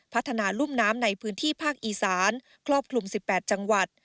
พัฒนารุ่มน้ำในพื้นที่ภาคอีสานครอบคลุม๑๘จังหวัด